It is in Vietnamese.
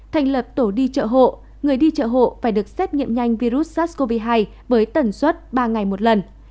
thành lập tổ đi chợ hộ người đi chợ hộ phải được xét nghiệm nhanh virus sars cov hai với tần suất ba ngày một lần